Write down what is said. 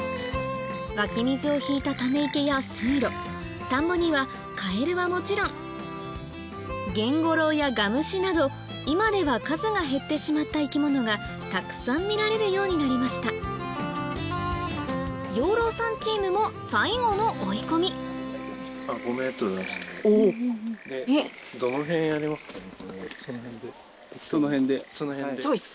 湧き水を引いたため池や水路田んぼにはカエルはもちろんゲンゴロウやガムシなど今では数が減ってしまった生き物がたくさん見られるようになりました養老さんチームも最後の追い込みチョイス。